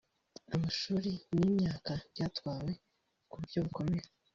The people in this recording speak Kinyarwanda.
amashuri n’imyaka byatwawe ku buryo bukomeye